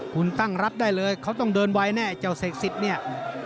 คุณตั้งรับได้เลยเขาต้องเดินไวแน่เจ้าเสกสิทธิ์เนี่ย